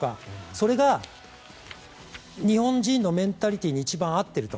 それが日本人のメンタリティーに一番合っていると。